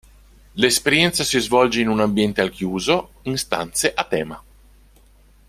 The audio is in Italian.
L'esperienza si svolge in un ambiente al chiuso in stanze a tema.